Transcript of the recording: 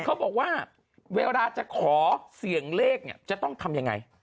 เขาบอกว่าเวลาจะขอเสี่ยงเลขเนี่ยจะต้องทำยังไง